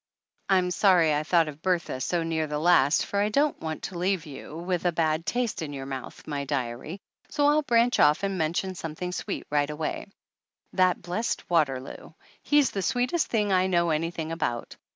I'm sorry I thought of Bertha so near the last, for I don't want to leave you with a bad 276 THE ANNALS OF ANN taste in your mouth, my diary. So I'll branch off and mention something sweet right away. That blessed Waterloo! He's the sweetest thing I know anything about